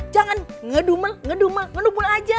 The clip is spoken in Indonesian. jangan ngedumel ngedumel ngedumel aja